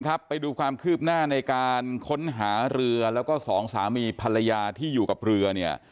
ไปดูความคืบหน้าในการค้นหาเรือแล้วก็สองสามีภรรยาที่อยู่กับเรือเนี่ย